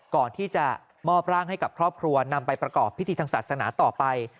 ก่อนที่จะมอบร่างให้กับครอบครัวนำไปประกอบพิธีทางศาสนาต่อไป